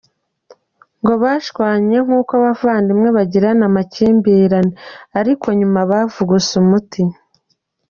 Ngo bashwanye nk’uko n’abavandimwe bagirana amakimbirane ariko nyuma bavuguse umuti.